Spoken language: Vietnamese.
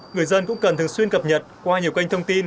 người dân cũng cần thường xuyên cập nhật qua nhiều kênh thông tin